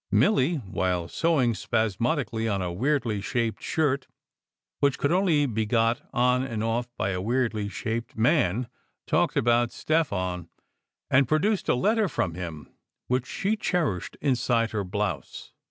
Milly, while sewing spas modically on a weirdly shaped shirt which could only be got on or off by a weirdly shaped man, talked about Stefan and produced a letter from him, which she cherished in side her blouse.